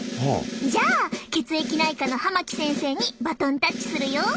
じゃあ血液内科の濱木先生にバトンタッチするよ。